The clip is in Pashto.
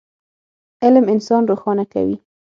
علم انسان روښانه کوي.